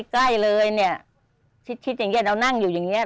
ใกล้เลยเนี่ยชิดอย่างเงี้เรานั่งอยู่อย่างเงี้